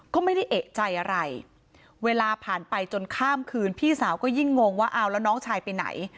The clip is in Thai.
ก็ไม่ได้เอกใจอะไรเวลาผ่านไปจนข้ามคืนพี่สาวก็ยิ่งงงว่าเอาแล้วน้องชายไปไหน